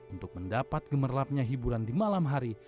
untuk mendapat gemerlapnya hiburan di malam hari